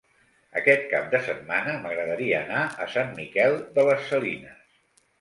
Aquest cap de setmana m'agradaria anar a Sant Miquel de les Salines.